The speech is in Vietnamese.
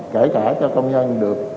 kể cả cho công nhân được